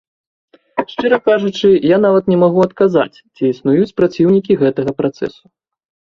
Шчыра кажучы, я нават не магу адказаць, ці існуюць праціўнікі гэтага працэсу.